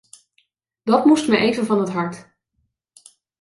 Dat moest me even van het hart.